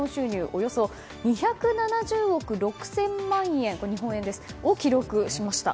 およそ２７０億６０００万円を記録しました。